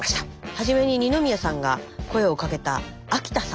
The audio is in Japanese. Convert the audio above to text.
初めに二宮さんが声をかけた秋田さん。